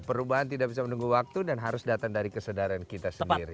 perubahan tidak bisa menunggu waktu dan harus datang dari kesadaran kita sendiri